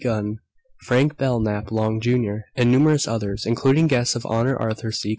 Gunn, Frank Belknap Long Jr., and numerous others, including Guest of Honor Arthur C.